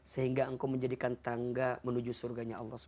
sehingga engkau menjadikan tangga menuju surganya allah swt